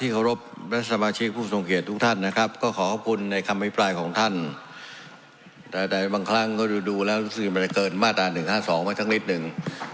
ขอบคุณในคำพิพลายของท่านแต่แต่บางครั้งก็ดูดูแล้วรู้สึกมันเกินมาตรา๑๕๒มาทั้งลิตรหนึ่ง